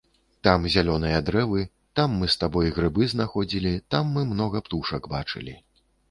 Там зялёныя дрэвы, там мы з табой грыбы знаходзілі, там мы многа птушак бачылі.